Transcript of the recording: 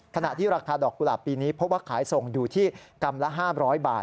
ขณะที่ราคาดอกกุหลาบปีนี้เพราะว่าขายส่งอยู่ที่กรัมละ๕๐๐บาท